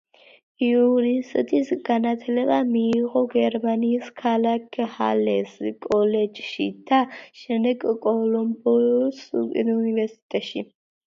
იურისტის განათლება მიიღო გერმანიის ქალაქ ჰალეს კოლეჯში და შემდეგ კოლომბოს უნივერსიტეტში.